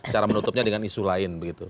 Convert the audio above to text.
cara menutupnya dengan isu lain begitu